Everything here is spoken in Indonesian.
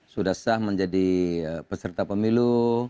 sudah sah menjadi peserta pemilu